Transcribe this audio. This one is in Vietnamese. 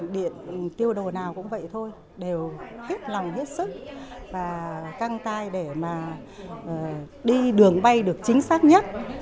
điện tiêu đồ nào cũng vậy thôi đều hết lòng hết sức và căng tay để mà đi đường bay được chính xác nhất